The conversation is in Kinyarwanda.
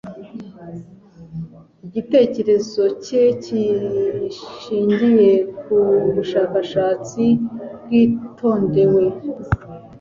Igitekerezo cye gishingiye ku bushakashatsi bwitondewe.